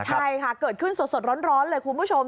ใช่ค่ะเกิดขึ้นสดร้อนเลยคุณผู้ชม